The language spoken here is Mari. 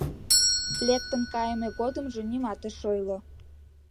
Лектын кайыме годымжо нимат ыш ойло.